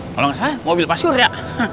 kalau nggak salah mobil pasur ya